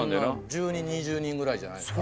１０人２０人ぐらいじゃないですか？